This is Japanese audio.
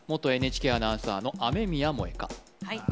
元ＮＨＫアナウンサーの雨宮萌果はい